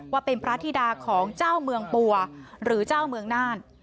ว่าเป็นพระธิดาของเจ้าเมืองปัวหรือเจ้าเมืองน่าน